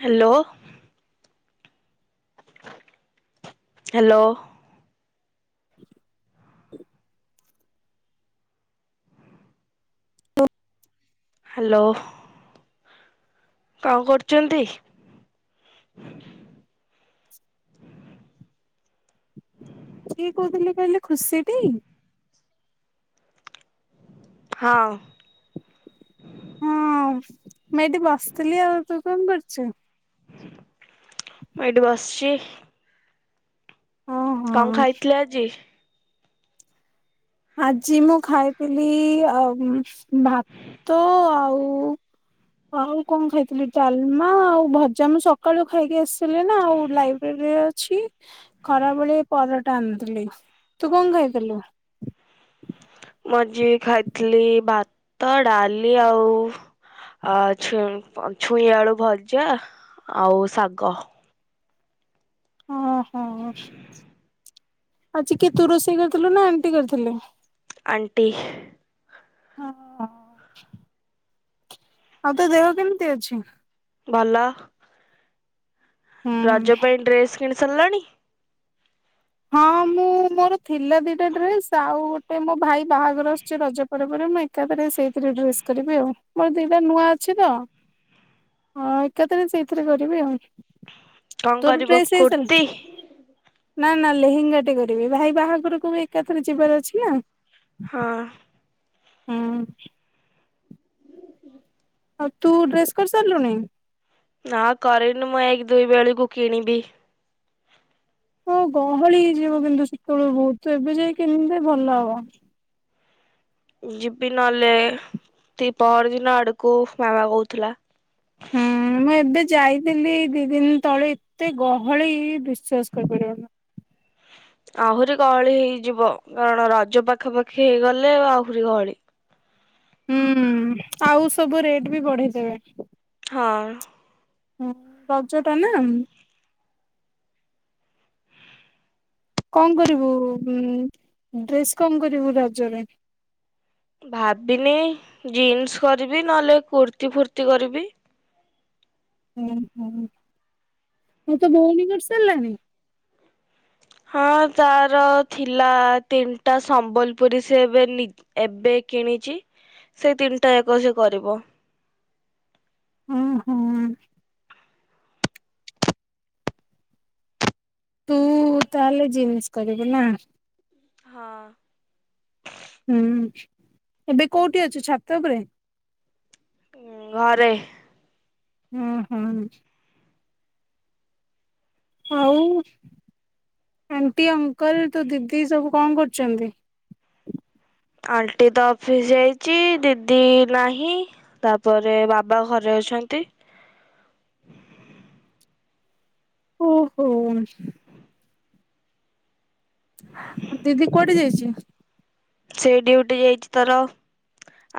Hello hello ଆ hello କଣ କରୁଚନ୍ତି? ହୁଁ କିଏ କହୁଥିଲେ କହିଲେ ଖୁସିଟି। ହଁ। ହଁ ମୁଁ ଏଇଠି ବସିଥିଲି ଆଉ ତ କଣ କରୁଚୁ? ମୁଁ ଏଇଟି ବସିଛି। ଓହୋ କଣ ଖାଇଥିଲ ଆଜି? ଆଜି ମୁଁ ଖାଇଥିଲି ଆଉ ଭାତ ଆଉ ଆଉ କଣ ଖାଇଥିଲି ଡାଲମା ଆଉ ଭଜା ମୁଁ ସକାଳୁ ଖାଇକି ଆସିଲି ନା ଆଉ ଲାଇବ୍ରେରୀରେ ଅଛି ଖରାବେଳେ ପରଟା ଆଣିଥିଲି ତୁ କଣ ଖାଇଥିଲୁ? ମୁଁ ଆ ଆଜି ଖାଇଥିଲି ଭା ତ ଡାଲି ଆଉ ଅ ଛୁଇଁ ଛୁଇଁ ଆଳୁ ଭଜା ଆଉ ଶାଗ। ଓ ହୋ ଆଜି କିଏ ତୁ ରୋଷଇ କରିଥିଲୁ ନା ଆଣ୍ଟି କରିଥିଲେ। ଆଣ୍ଟି। ହ ଆଉ ତ ଦେହ କେମିତି ଅଛି? ଭଲ। ହୁଁ ରଜ ପାଇଁ ଡ୍ରେସ୍ କିଣି ସାରିଲଣି। ହଁ ମୁଁ ମୋର ଥିଲା ଦିଟା ଡ୍ରେସ୍ ଆଉ ଗୋଟେ ମୋ ଭାଇ ବାହାଘର ଆସୁଛି ରଜ ପବ ମୁଁ ଏକା ଥରେ ସେଇଥିରେ ଡ୍ରେସ୍ କରିବି ଆଉ ମୋର ଦିଟା ନୂଆ ଅଛି ତ ହଁ ଏକା ଥରେ ସେଇଥିରେ କରିବି ଆଉ। କଣ ତୋର କରିବ ଡ୍ରେସ୍ ହେଇସାରିଲା କୁର୍ତିୀ। ନା ନା ଲେହେଙ୍ଗା ଟେ କରିବି ଭାଇ ବାହାଘରକୁ ବି ଏକାଥରେ ଯିବାର ଅଛି ନା। ହଁ। ହୁଁ। ଆଉ ତୁ ଡ୍ରେସ୍ କରି ସାରିଲୁଣି। ନାଁ କାରିନି ମୁଁ ଏକ ଦୁଇ ବେଳକୁ କିଣିବି। ହଁ ଗହଳି ହେଇଯିବ କିନ୍ତୁ ସେତେବେଳୁ ବହୁତ ଏବେ ଯାଇ କିଣିଦେ ଭଲ ହବ। ଯିବି ନହେଲେ ଦି ପରଦିନ ଆଡକୁ ମାମା କହୁଥିଲା। ହୁଁ ମୁଁ ଏବେ ଯାଇଥିଲି ଦି ଦିନ ତଳେ ଏତେ ଗହଳି ବିଶ୍ଵାସ କରିପାରିବନି। ଆହୁରି ଗହଳି ହେଇଯିବ କାରଣ ରଜ ପାଖାପାଖି ହେଇଗଲେ ଆହୁରି ଗହଳି। ହୁଁ ଆଉ ସବୁ ରେଟ୍ ବି ବଢେଇଦେବେ। ହଁ। ହୁଁ ରଜ ଟା ନା। କଣ କରିବୁ ଡ୍ରେସ୍ କଣ କରିବୁ ରଜରେ? ଭାବିନି ଜିନ୍ସ୍ କରିବି ନହେଲେ କୁର୍ତ୍ତି ଫୁର୍ତି କରିବି। ଉ ହୁ ଆଉ ତ ଭଉଣୀ କରି ସାରିଲାନି? ହଁ ତାର ଥିଲା ତିନିଟା ସମ୍ବଲପୁରୀ ସେ ଏବେ ଏବେ କିଣିଚି ସେ ତିନିଟା ଯାକ ସେ କରିବ। ଉ ହୋ। ତୁ ତାହେଲେ ଜିନ୍ଷ୍ କରିବୁ ନା। ହଁ। ହୁଁ ଏବେ କୋଉଠି ଅଛୁ ଛାତ ଉପରେ? ଉ ଘରେ। ହୁଁ ହୁଁ। ଆଉ ଆଣ୍ଟି ଅଙ୍କଲ ତ ଦିଦି ସବୁ କଣ କରୁଛନ୍ତି? ଆଣ୍ଟି ତ ଅଫିସ୍ ଯାଇଛି ଦିଦି ନାହିଁ ତାପରେ ବାବା ଘରେ ଅଛନ୍ତି। ଓ ହୋ। ଦିଦି କୋଆଢ଼େ ଯାଇଛି? ସେ ଡଡିୁଟି ଯାଇଛି ତାର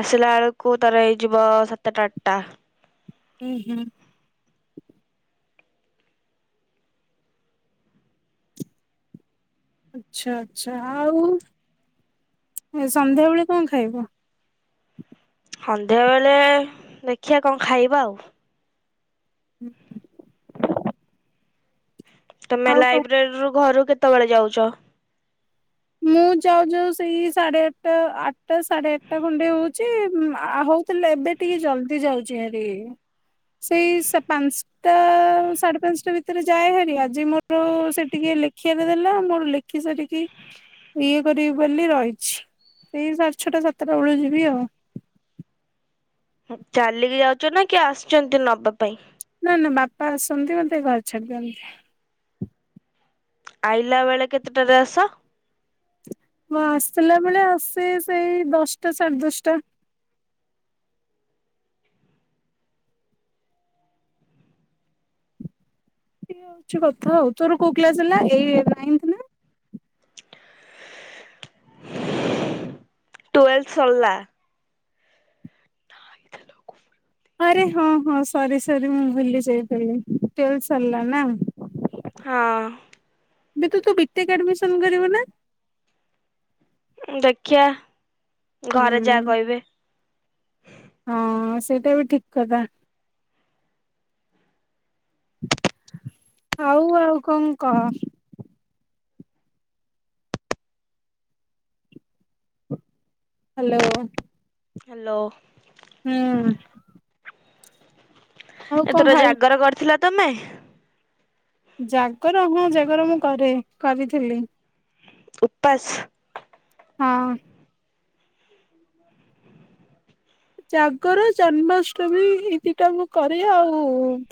ଆସିଲା ବେଳକୁ ତାର ହେଇଯିବ ସାତଟା ଆଟା। ଉ ହୁଁ। ଆଛା ଆଛା ଆଉ ସନ୍ଧ୍ୟାବେଳେ କଣ ଖାଇବ। ସନ୍ଧ୍ୟା ବେଳେ ଦେଖିବା କଣ ଖାଇବା ଆଉ। [unintelligible] ତମେ ଆଉ କଣ ଲାଇବ୍ରେରୀ ରୁ ଘରୁ କେ କେତେବେଳେ ଯାଉଚ। ମୁଁ ଯାଉ ଯୋଉ ସେଇ ସାଢେ ଆଟା ଆଟା ସାଢେ ଆଟା ଖଣ୍ଡେ ହଉଛି ହଉଥିଲେ ଏବେ ଟିକେ ଜଲଦି ଯାଉଛି ହାରି ସେଇ ପାଞ୍ଚଟା ସାଢେ ପାଞ୍ଚଟା ଭିତରେ ଯାଏ ହାରି ଆଜି ମୋର ସେ ଟିକେ ଲେଖିବାକୁ ଦେଲା ମୋର ଲେଖି ସାରିକି ଇଏ କରିବି ବୋଲି ରହିଛି ସେଇ ସଢେ ଛଅଟା ସାତଟା ବେଳୁ ଯିବି ଆଉ। ଚାଲିକି ଯାଉଛ ନା କି ଆସୁଛନ୍ତି ନବା ପାଇଁ। ନା ନା ବାପା ଆସନ୍ତି ମତେ ଘରେ ଛାଡି ଦଅନ୍ତି। ଆଇଲା ବେଳେ କେତେଟାରେ ଆସ? ମୁଁ ଆସିଲା ବେଳେ ଆସେ ସେଇ ଦଶଟା ସାଢେ ଦଶଟା ଏ ହଉଛି କଥା ଆଉ ତୋର କୋଉ କ୍ଲାସ ହେଲା ଏଇ ନାଇନ୍ଥି ନା ତୁୱେଲ୍ଥ ସରିଲା। ଆରେ ହଁ ହଁ ସରି ସରି ମୁଁ ଭୁଲି ଯାଇଥିଲି ଟୁଏଲ ସରିଲା ନା ହଁ ଏ ତୁ ତ ବିଟେକ୍ ଆଡମିସନ କରିବୁ ନା ଦେଖିଆ। ଘରେ ଯାହା ହୁଁ କହିବେ। ହଁ ସେଇଟା ବି ଠିକ କଥା। ଆଉ ଆଉ କଣ କହ? ହ୍ୟାଲୋ ହ୍ୟାଲୋ ହୁଁ ଆଉ କଣ ଏଥର ହାଲ ଜାଗର କରିଥିଲା ତମେ। ଜାଗର ହଁ ଜାଗର ମୁଁ କରେ କରିଥିଲି। ଉପବାସ୍। ହଁ ଜାଗର ଜନ୍ମାଷ୍ଟମୀ ଏଇ ଦିଟା ମୁଁ କରେ ଆଉ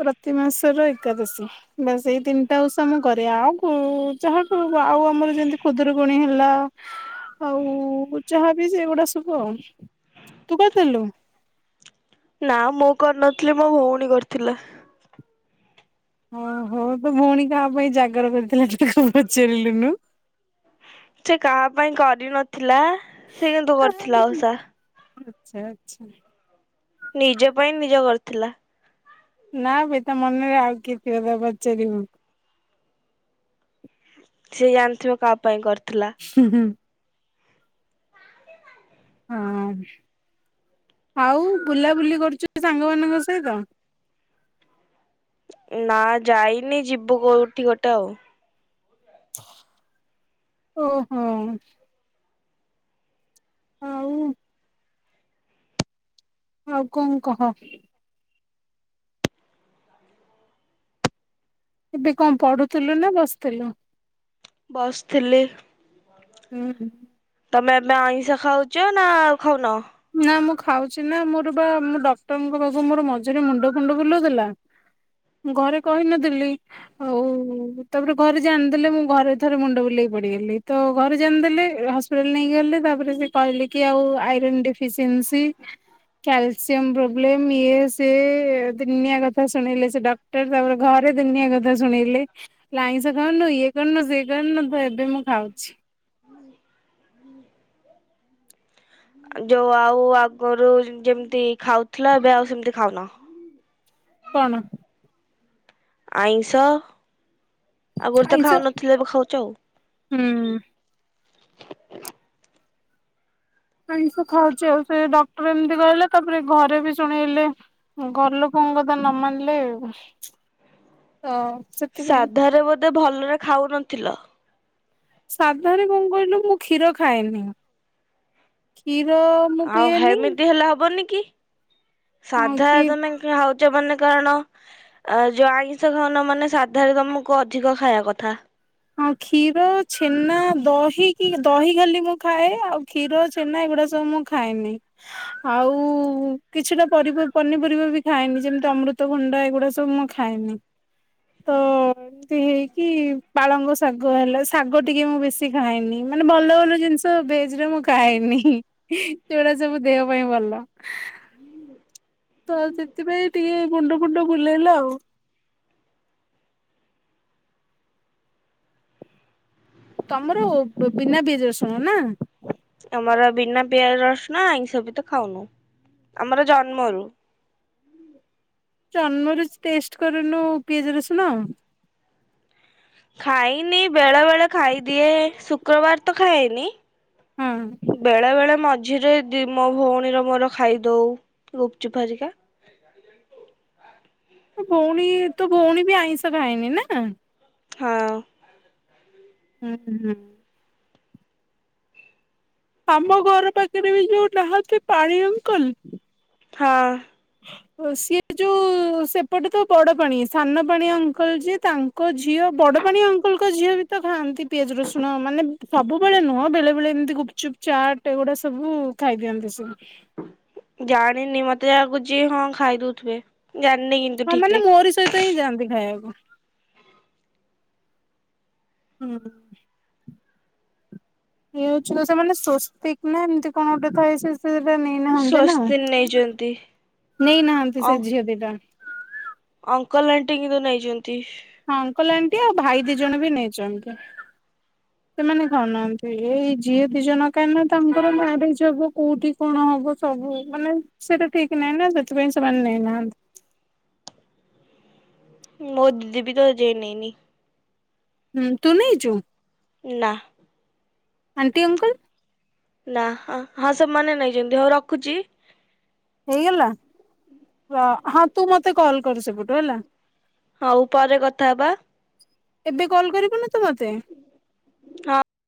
ପ୍ରତି ମାସର ଏକାଦଶୀ ବାସ ଏଇ ତିନିଟା ଉଷ ମୁଁ କରେ ଆଉ ଯହାକୁ ଆଉ ଆମର ଯେମିତି ଖୁଦରୁକୁୁଣୀ ହେଲା ଆଉ ଯହା ବି ସେଗୁଡା ଶୁଭ ଆଉ ତୁ ଲୁ ନା ମୁଁ କରିନଥିଲି ମୋ ଭଉଣୀ କରିଥିଲା। ହ ହୋ ତ ଭଉଣୀ କାହା ପାଇଁ ଜାଗର କରିଥିଲା ଟିକେ ପଚାରିଲୁନୁ ସେ କାହା ପାଇଁ କରିନଥି। ଥିଲା ସେ କିନ୍ତୁ କରିଥିଲା ଓଷା ସେ ଅଛା ନିଜ ପାଇଁ ନିଜ କରିଥିଲା। ନା ଭାଇ ତା ମନରେ ଆଉ କିଏ ଥିବ ତକୁଟ ପଚାରିବୁ। ସେ ଜାଣିଥିବ କାହା ପାଇଁ କରି ହୁଁ ହୁଁ ହଁ ଆଉ ବୁଲାବୁଲି କରୁଛୁ ସାଙ୍ଗ ମାନଙ୍କ ସହିତ। ନା ଯାଇନି ଯିବୁ କୋଉଠି ଗୋଟେ ଆଉ। ଓହୋ। ଆଉ ଆଉ କଣ କହ? ଏବେ କଣ ପଢୁଥିଲୁ ନା ବସିଥିଲୁ ବସ୍ ଥିଲି। ହୁଁ ତମେ ଏବେ ଅଇଁଷ ଖାଉଛ ନା ଆଉ ଖାଉନ। ନା ମୁଁ ଖାଉଛି ନା ମୋର ବା ମୁ ଡକ୍ଟରଙ୍କ ପାଖୁ ମୋର ମଝିରେ ମୁଣ୍ଡ ଫୁଣ୍ଡ ବୁଲଉଥିଲା ମୁଁ ଘରେ କହିନଥିଲି ଆଉ ତାପରେ ଘରେ ଜାଣିଦେଲେ ମୁଁ ଘରେ ଥରେ ମୁଣ୍ଡ ବୁଲେଇକି ପଡିଗଲି ତ ଘରେ ଜାଣିଦେଲେ ହସ୍ପିଟାଲ ନେଇକିଲେ ତାପରେ ସେ କହିଲି କି ଆଉ ଆଇ ଡି ଏଫିଶିଏନ୍ସି, କାଲସିଅମ ଇଏ ସେ ଦିନିଆ କଥା ଶୁଣ ସେ ଡଟର ତାରେ ଘରେ ଦିନିଆ କଥା ଶୁଣେଇଲେ ଲାଇଁ ଖାଉନୁ ଇଏ କରନୁ ସେନୁ ତ ଏବେ ମୁଁ ଖାଉଛି। ଯୋଉ ଆଉ ଆଗରୁ ଯେମିତି ଖାଉଥିଲା ଏବେ ଆଉ ସେମତି ଖାଉନ। କଣ? ଆଇଁଷ। ଆଉଗରୁ ତ ଆଇଁଷ ଖାଉନଥିଲେ ଏବେ ଖାଉଛ ଆଉ। ହୁଁ ଆଇଁଷ ଖାଉଛି ଆଉ ସେ ଡକ୍ଟର ଏମିତି କହିଲା ତାପରେ ଘରେ ବି ଶୁଣେଇଲେ ଘର ଲୋକଙ୍କ କଥା ନ ମାନିଲେ ତ ସେଥିପାଇଁ ମତେ ଭଲରେ ଖାଉନଥିଲ। ସାଧାରେ କଣ କହିଲୁ ମୁଁ କ୍ଷୀର ଖାଏନି କୀର ମୁଁ ପିଏନି। ଆକି ହଁ ସାଧା କି ତମେ ଖାଉ ମାନ କାରଣ ଯୋ ଆଇିଁଷ ଖାଉନ ମାନେ ସାଧାରଣତମକୁ ଅଧିକ ଖାଇବା କଥା। ହଁ କ୍ଷୀର ଛେନା ଦହି କି ଦହି ଖାଲି ମୁଁ ଖାଏ ଆଉ କ୍ଷୀର ଛେନା ଏଗୁଡା ସବୁ ମୁଁ ଖାଏନି ଆଉ କିଛିଟା ପନିପରିବା ବି ଖାଏନି ଯେମିତି ଅମୃତଭଣ୍ଡା ଏଗୁଡା ସବୁ ମୁଁ ଖାଏନି ତ ଏମିତି ହେଇକି। ପାଳଙ୍ଗ ଶାଗ ହେଲା। ଶାଗ ଟିକେ ମୁଁ ବେଶୀ ଖାଏନି। ମାନେ ଭଲ ଭଲ ଜିନିଷ ବେଜରେ ମୁଁ ଖାଇନି ସେଗୁଡା ସବୁ ଦେହ ପାଇଁ ଭଲ। ତ ସେଥିପାଇଁ ଟିକେ ମୁୁଣ୍ଡ ଫୁଣ୍ଡ ବୁଲେଇଲା ଆଉ। ତମର ବିନା ପିଆଜ ରଶୁଣ ନା ଆମର ବିନା ପିଆଜ ରସୁନା ଆଇଷ ବି ତ ଖାଉନୁ ଆମର ଜନ୍ମରୁ। ଜନ୍ମରୁ ଟେଷ୍ଟ କରିନୁ ପିଆଜ ରସୁଣ ଆ। ଖାଇନି ବେଳେ ବେଳେ ଖାଇ ଦିଏ ଶୁକ୍ରବାର ତ ଖାଏନି। ହଁ ବେଳେବେଳେ ମଜ ଝିରେ ମୋ ଭଉଣୀର ମୋର ଖାଇଦଉ ଗୁପଚୁପ ହେରି। ଭଉଣୀ ତ ଭଉଣୀ ବି ଆଇଁଷ ଖାଇନି ନା। ହଁ ହୁଁ ହଁ ଆମ ଘର ପ ବି ରାହା ପାଣି ଅଙ୍କଲ ହଁ ସିଏ ଯୋଉ ସେପଟେ ତ ବଡ ପାଣି ସାନ ପାଣି ଅଙ୍କଲ ଯିଏ ତାଙ୍କ ଝିଅ ବଡ ପାାଣି ଅଙ୍କଲଙ୍କ ଝିଅ ବି ତ ଖାଆନ୍ତି ପିଆଜ ରସୁଣ ମାନେ ସବୁବେଳେ ନୁହଁ ବେଳେ ବେଳେ ଏମତି ଗୁପଚୁପ ଚାଟ ଏଗୁଡା ସବୁ ଖାଇଦିଅନ୍ତି ସି ଜାଣିନି ମତେ ଯାଗୁଛି ହଁ ଖାଇଦଉଥିବେ। ଜାଣିନି କିନ୍ତୁ ହଁ ଠିକ ମାନେ ରେ। ମୋହରି ସହିତ ହିଁ ଯାଆନ୍ତି ଖାଇବାକୁ। ହଁ ଇଏଉଛି ତ ସ୍ୱସ୍ତିକ ନା ଏମିତି କଣ ଗୋଟେ ଥାଏ ସେ ନାହାନ୍ତି ନା ସ୍ୱସ୍ତିନ ନେଇଛନ୍ତି ନେଇ ନାହାନ୍ତି ଅଂ ସେ ଝିଅବ ତ ଅଙ୍କଲ ଆଣ୍ଟି କିନ୍ତୁ ନେଇଛନ୍ତି। ହଁ ଅଙ୍କଲ ଆଣ୍ଟି ଆଉ ଭାଇ ଦି ଜଣ ବି ନେଇଛନ୍ତି ସେମାନେ ଖାଉନାହାନ୍ତି ଏଇ ଯିଏ ଦି ଜଣ କାହିଁକି ନା ତାଙ୍କର ମ୍ୟାରେଜ ହବ କୋଉଠି କଣ ହବ ସବୁ ମାନେ ସେଇଟା ଠିକ ନାହିଁ ନା ସେଥିପାଇଁ ସେମାନେ ନେଇନାହାନ୍ତି। ମୋଦି ଦ ବି ତ ଅଜେ ନେଇ ନିି। ହୁଁ ତୁ ନହି ଯୁ ନା ଆଣ୍ଟି ଅଙ୍କଲ। ନା ହ ହଁ ସେମାନେ ନେଇଛନ୍ତି ହଉ ରଖୁଛି। ହେଇଗଲା ହଁ ତୁ ମତେ କଲ କରୁ ସେପଟୁ ହେଲା। ହଉ ପରେ କଥା ହବା। ଏବେ କଲ କରିବୁନ ତୁ ମତେ? ହଁ।